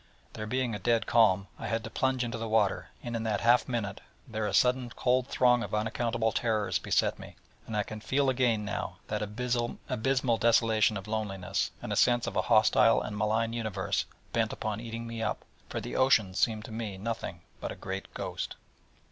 There being a dead calm, I had to plunge into the water, and in that half minute there a sudden cold throng of unaccountable terrors beset me, and I can feel again now that abysmal desolation of loneliness, and sense of a hostile and malign universe bent upon eating me up: for the ocean seemed to me nothing but a great ghost.